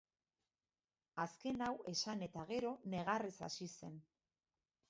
Azken hau esan eta gero negarrez hasi zen.